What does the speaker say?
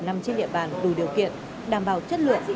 nằm trên địa bàn đủ điều kiện đảm bảo chất lượng